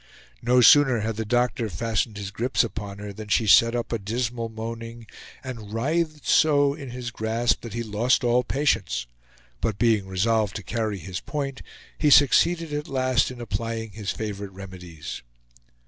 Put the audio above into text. No sooner had the doctor fastened his grips upon her than she set up a dismal moaning, and writhed so in his grasp that he lost all patience, but being resolved to carry his point, he succeeded at last in applying his favorite remedies.